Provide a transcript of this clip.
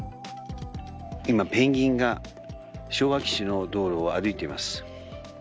今ペンギンが昭和基地の道路を歩いています。